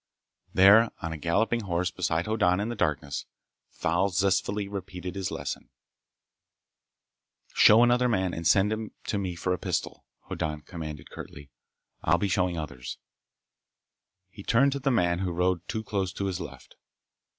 There on a galloping horse beside Hoddan in the darkness, Thal zestfully repeated his lesson. "Show another man and send him to me for a pistol," Hoddan commanded curtly. "I'll be showing others." He turned to the man who rode too close to his left.